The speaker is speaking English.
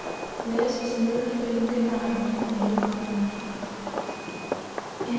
This was literally bidding "good night" to my native land.